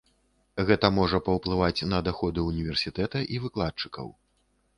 Гэта можа паўплываць на даходы ўніверсітэта і выкладчыкаў.